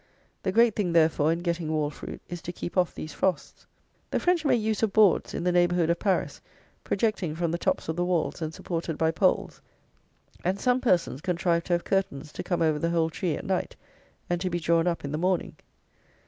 The great thing, therefore, in getting wall fruit, is to keep off these frosts. The French make use of boards, in the neighbourhood of Paris, projecting from the tops of the walls and supported by poles; and some persons contrive to have curtains to come over the whole tree at night and to be drawn up in the morning.